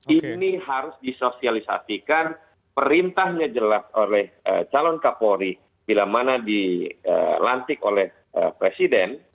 ini harus disosialisasikan perintahnya jelas oleh calon kapolri bila mana dilantik oleh presiden